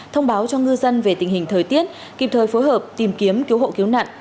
thông báo cho ngư dân về tình hình thời tiết kịp thời phối hợp tìm kiếm cứu hộ cứu nạn